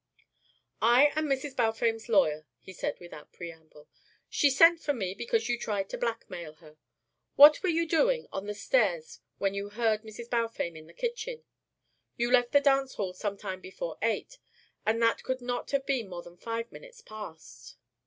"I am Mrs. Balfame's lawyer," he said without preamble. "She sent for me because you tried to blackmail her. What were you doing on the stairs when you heard Mrs. Balfame in the kitchen? You left the dance hall sometime before eight, and that could not have been more than five minutes past."